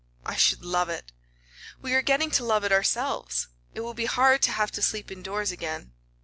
"I should love it." "We are getting to love it ourselves. It will be hard to have to sleep indoors again."